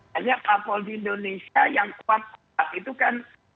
hanya parpol di indonesia yang kuat kuat itu kan